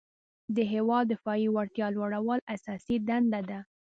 د هیواد دفاعي وړتیا لوړول اساسي دنده ده.